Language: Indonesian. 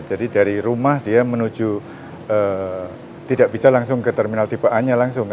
jadi dari rumah dia menuju tidak bisa langsung ke terminal tipe a nya langsung